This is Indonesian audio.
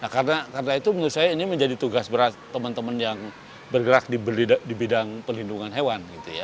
karena itu menurut saya ini menjadi tugas berat teman teman yang bergerak di bidang perlindungan hewan